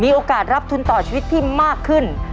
โอกาสรับทุนต่อชีวิตที่มากขึ้น